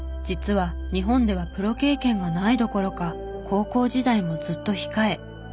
実は日本ではプロ経験がないどころか高校時代もずっと控え。